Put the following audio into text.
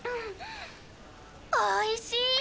おいしい！